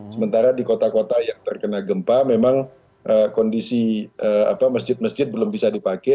sementara di kota kota yang terkena gempa memang kondisi masjid masjid belum bisa dipakai